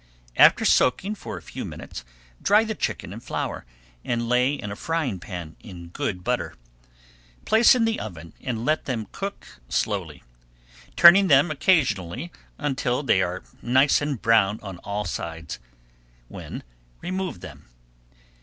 After soaking for a few minutes dry the chicken in flour and lay in a frying pan in good butter. Place in the oven and let them cook slowly, turning them occasionally until they are nice and brown on all sides, when remove them.